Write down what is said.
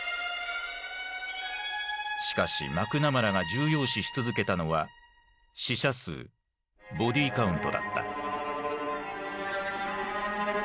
しかしマクナマラが重要視し続けたのは死者数ボディカウントだった。